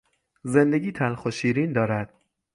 زندگی تلخ و شیرین دارد.